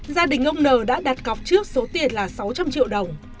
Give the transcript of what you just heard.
gia đình ông n đã đặt cọc trước số tiền là sáu trăm linh triệu đồng